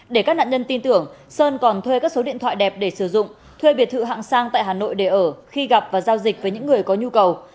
để các nạn nhân tin tưởng sơn còn thuê các số điện thoại đẹp để sử dụng thuê biệt thự hạng sang tại hà nội để ở khi gặp và giao dịch với những người có nhu cầu